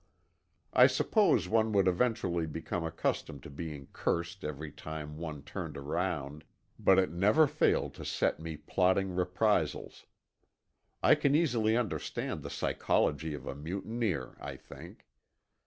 I suppose one would eventually become accustomed to being cursed every time one turned around, but it never failed to set me plotting reprisals; I can easily understand the psychology of a mutineer, I think.